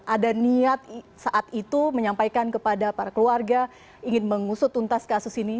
ada niat saat itu menyampaikan kepada para keluarga ingin mengusut tuntas kasus ini